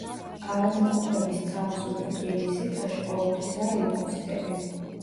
ავადმყოფების თავ-ზურგ-ტვინის სითხეში ყოველთვისაა ლიმფოციტები.